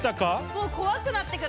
もう怖くなってくる。